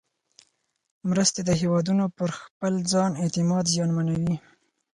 مرستې د هېوادونو پر خپل ځان اعتماد زیانمنوي.